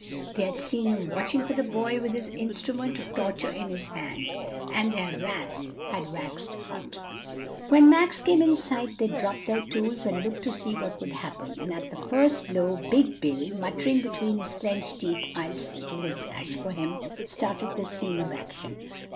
They had seen him watching for the boy with his instrument of torture in his hand, and their wrath had waxed hot. When Max came in sight they dropped their tools and looked to see what would happen, and at the first blow "Big Bill" muttering between his clenched teeth, "I'll settle his hash for him," started for the scene of action.